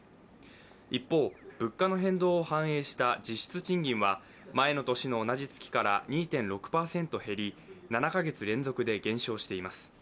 一方、物価の変動を反映した実質賃金は前の年の同じ月から２．６％減り７か月連続で減少しています。